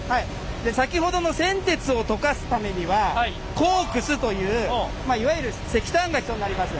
先ほどの銑鉄を溶かすためにはコークスというまあいわゆる石炭が必要になります。